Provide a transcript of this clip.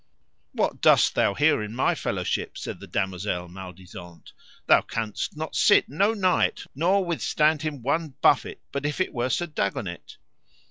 What dost thou here in my fellowship? said the damosel Maledisant, thou canst not sit no knight, nor withstand him one buffet, but if it were Sir Dagonet.